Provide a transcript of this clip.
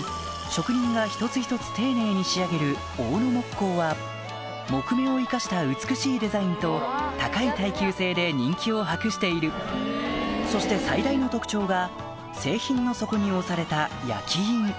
職人が一つ一つ丁寧に仕上げる大野木工は木目を生かした美しいデザインと高い耐久性で人気を博しているそして最大の特徴が製品の底に押された焼き印